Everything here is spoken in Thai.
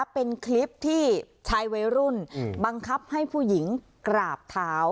เป็นคลิปที่ชายวัยรุ่นบังคับให้ผู้หญิงกราบเท้า